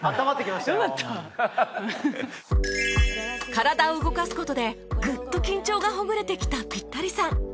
体を動かす事でグッと緊張がほぐれてきたピッタリさん